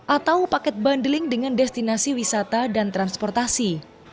atau paket bundling dengan destinasi wisata dan transportasi